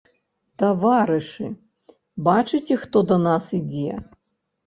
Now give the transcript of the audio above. Таварышы, бачыце, хто да нас ідзе?